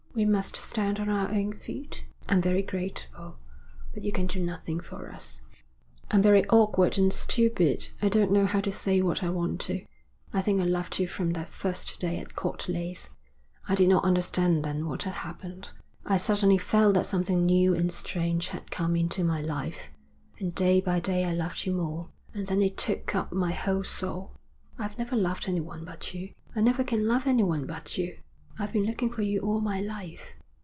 'We must stand on our own feet. I'm very grateful, but you can do nothing for us.' 'I'm very awkward and stupid, I don't know how to say what I want to. I think I loved you from that first day at Court Leys. I did not understand then what had happened; I suddenly felt that something new and strange had come into my life. And day by day I loved you more, and then it took up my whole soul. I've never loved anyone but you. I never can love anyone but you. I've been looking for you all my life.'